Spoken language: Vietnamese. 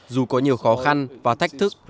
dù có nhiều khó khăn và thách thức